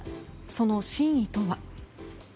その真意とは。